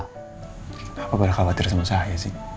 kenapa pada khawatir sama saya sih